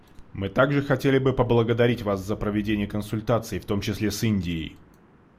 Мы также хотели бы поблагодарить вас за проведение консультаций, в том числе с Индией.